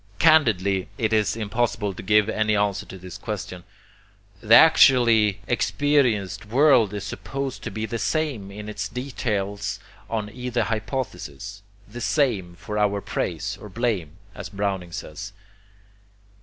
Candidly, it is impossible to give any answer to this question. The actually experienced world is supposed to be the same in its details on either hypothesis, "the same, for our praise or blame," as Browning says.